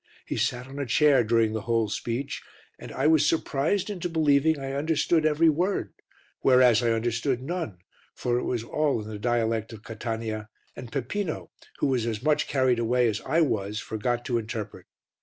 He sat on a chair during the whole speech and I was surprised into believing I understood every word, whereas I understood none, for it was all in the dialect of Catania and Peppino, who was as much carried away as I was, forgot to interpret.